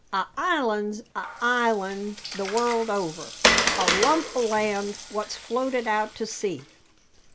A island's a island the world over a lump o' land what's floated out to sea.